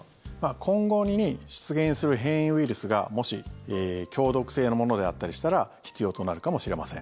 今後に出現する変異ウイルスがもし強毒性のものであったりしたら必要となるかもしれません。